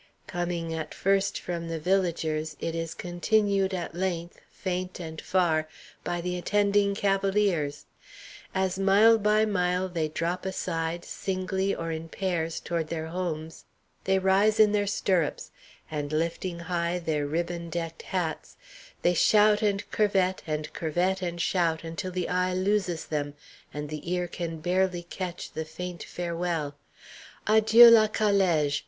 Coming at first from the villagers, it is continued at length, faint and far, by the attending cavaliers. As mile by mile they drop aside, singly or in pairs, toward their homes, they rise in their stirrups, and lifting high their ribbon decked hats, they shout and curvette and curvette and shout until the eye loses them, and the ear can barely catch the faint farewell: "_Adjieu, la calége!